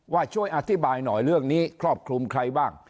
ช่วยอธิบายหน่อยเรื่องนี้ครอบคลุมใครบ้าง